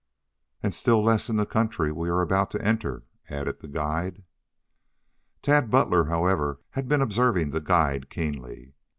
"And still less in the country we are about to enter," added the guide. Tad Butler, however, had been observing the guide keenly.